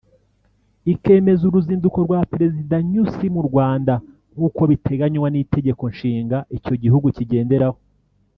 ikemeza uruzinduko rwa Perezida Nyusi mu Rwanda nk’uko biteganywa n’Itegeko Nshinga icyo gihugu kigenderaho